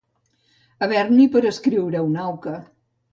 Haver-n'hi per escriure una auca.